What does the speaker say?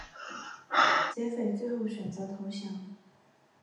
劫匪最后选择投降。